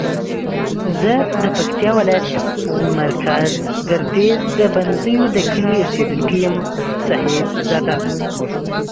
زه د پکتیاولایت مرکز ګردیز د بنزیو دکلی اوسیدونکی یم صاحب زاده